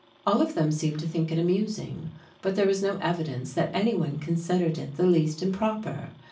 All of them seemed to think it amusing, but there was no evidence that any one considered it the least improper.